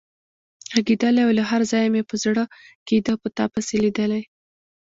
غږېدلای او له هر ځایه مې چې زړه کېده په تا پسې لیدلی.